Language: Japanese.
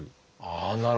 ああなるほど。